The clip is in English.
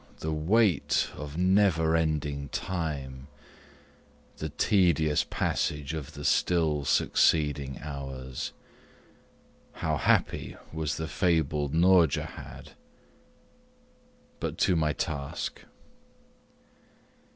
the weight of never ending time the tedious passage of the still succeeding hours! How happy was the fabled Nourjahad! But to my task.